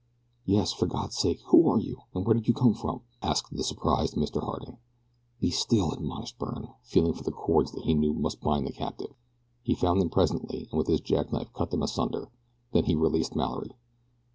"Yes for God's sake who are you and where did you come from?" asked the surprised Mr. Harding. "Be still," admonished Byrne, feeling for the cords that he knew must bind the captive. He found them presently and with his jackknife cut them asunder. Then he released Mallory.